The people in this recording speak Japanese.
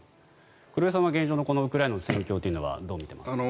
黒井さんは現状のウクライナの戦況はどう見ていますか？